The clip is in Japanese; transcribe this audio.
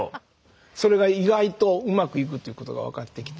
それが意外とうまくいくということが分かってきて。